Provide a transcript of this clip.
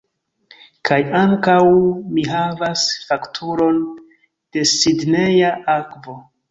Kaj ankaŭ mi havas fakturon de Sidneja Akvo.